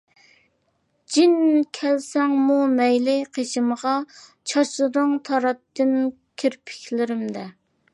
جىن كەلسەڭمۇ مەيلى قېشىمغا چاچلىرىڭ تاراتتىم كىرپىكلىرىمدە.